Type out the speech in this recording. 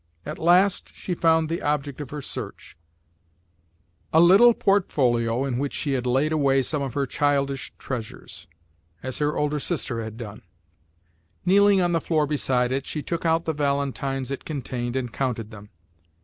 At last she found the object of her search, a little portfolio in which she had laid away some of her childish treasures, as her older sister had done. Kneeling on the floor beside it, she took out the valentines it contained and counted them.